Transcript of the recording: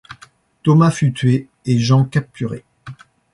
Thomas fut tué et Jean capturé.